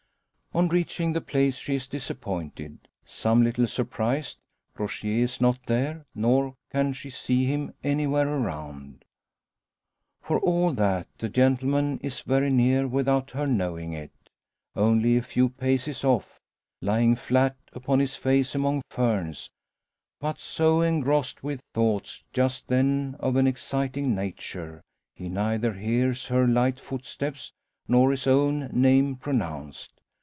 On reaching the place she is disappointed some little surprised. Rogier is not there; nor can she see him anywhere around! For all that, the gentleman is very near, without her knowing it only a few paces off, lying flat upon his face among ferns, but so engrossed with thoughts, just then of an exciting nature, he neither hears her light footsteps, nor his own name pronounced.